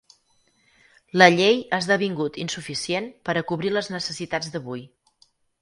La llei ha esdevingut insuficient per a cobrir les necessitats d'avui.